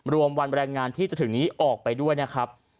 รวมวันแรงงานที่จะถึงนี้ออกไปด้วยนะครับ